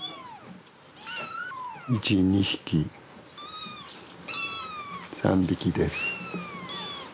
１２匹３匹です。